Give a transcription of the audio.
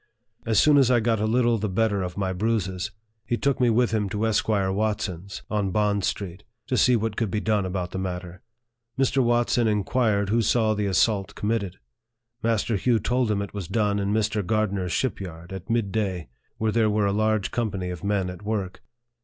As soon as I got a little the better of my bruises, he took me with him to Esquire Watson's, on Bond Street, to see what could be done about the matter. Mr. Watson inquired who saw the assault committed. Master Hugh told him it was done in Mr. Gardner's ship yard, at mid day, where there were a large company of men at work.